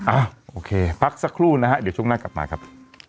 โอเคพักสักครู่นะฮะเดี๋ยวช่วงหน้ากลับมาครับ